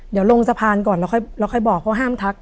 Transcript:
เดี๋ยวลงสะพานก่อนแล้วค่อยบอกเขาห้ามทัก